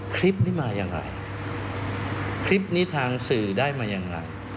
คลิปนี้มาอย่างไรคลิปนี้ทางสื่อได้มาอย่างไร